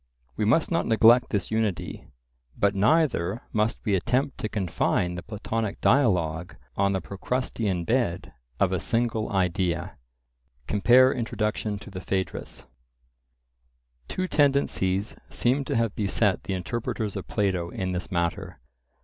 We must not neglect this unity, but neither must we attempt to confine the Platonic dialogue on the Procrustean bed of a single idea. (Compare Introduction to the Phaedrus.) Two tendencies seem to have beset the interpreters of Plato in this matter.